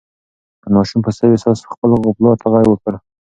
ماشوم په سوې ساه خپل پلار ته غږ وکړ.